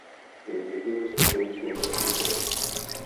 Je jedním z autorových nejlepších děl.